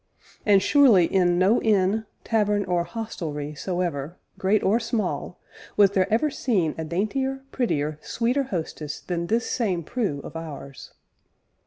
And surely in no inn, tavern, or hostelry soever, great or small, was there ever seen a daintier, prettier, sweeter hostess than this same Prue of ours.